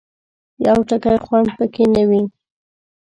یو ټکی خوند پکې نه وي.